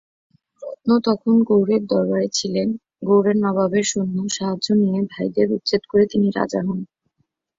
রত্ন তখন গৌড়ের দরবারে ছিলেন, গৌড়ের নবাবের সৈন্য-সাহায্য নিয়ে ভাইদের উচ্ছেদ করে তিনি রাজা হন।